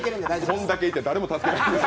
これだけいても誰も助けない。